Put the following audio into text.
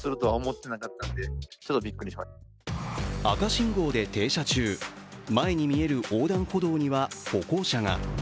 赤信号で停車中、前に見える横断歩道には歩行者が。